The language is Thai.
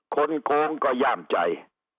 คนโครงก็ย่ามใจ